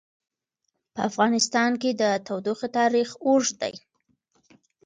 په افغانستان کې د تودوخه تاریخ اوږد دی.